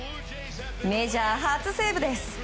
メジャー初セーブです。